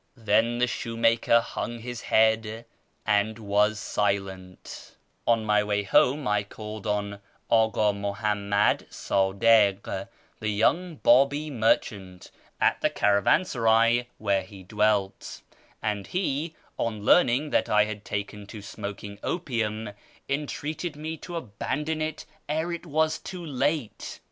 Then the shoemaker hung his head and was silent. AMONGST THE KALANDARS 503 On my way home I called on Aka Muhammad Sadik, the young Babi merchant, at the caravansaray where he dwelt, and he, on learning that I had taken to smoking opium, entreated me to abandon it ere it was too late.